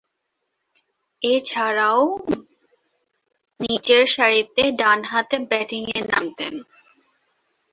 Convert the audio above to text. এছাড়াও নিচেরসারিতে ডানহাতে ব্যাটিংয়ে নামতেন।